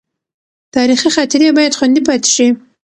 تاریخي خاطرې باید خوندي پاتې شي.